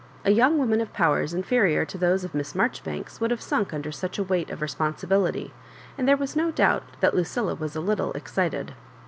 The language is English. A young wo man of powers inferior to those of Miss Marjori banks would have sunli: under such a weight of responsibility, and there was no doubt that Lucilla was a little excited.